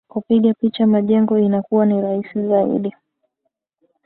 Kupiga picha majengo inakuwa ni rahisi zaidi